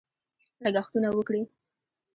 لګښتونه وکړي.